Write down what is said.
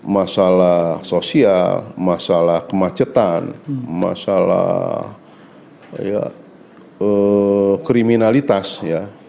masalah sosial masalah kemacetan masalah kriminalitas ya